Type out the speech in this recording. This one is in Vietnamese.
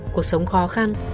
cuộc sống khó khăn